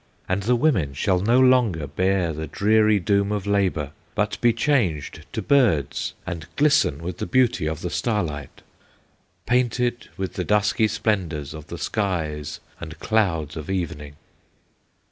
"'And the women shall no longer Bear the dreary doom of labor, But be changed to birds, and glisten With the beauty of the starlight, Painted with the dusky splendors Of the skies and clouds of evening!